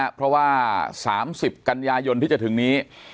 ภาคภูมิภาคภูมิ